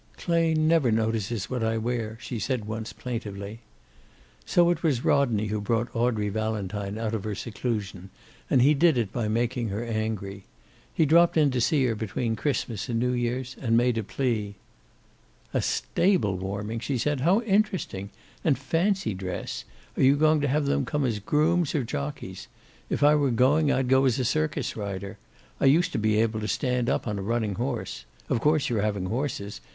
"Clay never notices what I wear," she said, once, plaintively. So it was Rodney who brought Audrey Valentine out of her seclusion, and he did it by making her angry. He dropped in to see her between Christmas and New years, and made a plea. "A stable warming!" she said. "How interesting! And fancy dress! Are you going to have them come as grooms, or jockeys? If I were going I'd go as a circus rider. I used to be able to stand up on a running horse. Of course you're having horses.